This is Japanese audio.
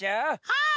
はい！